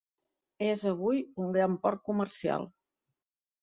És avui un gran port comercial.